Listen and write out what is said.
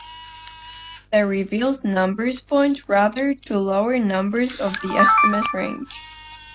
The revealed numbers point rather to lower numbers of the estimate range.